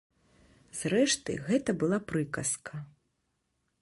Зрэшты, гэта была прыказка.